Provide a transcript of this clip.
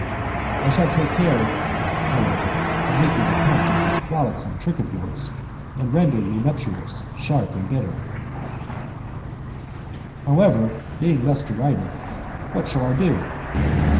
I shall take care,* however, to make you repent of this frolicsome trick of yours, and render your nuptials sharp and bitter. ir '* However, being thus derided, what shall I do